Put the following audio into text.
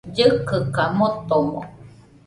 Llɨkɨka motomo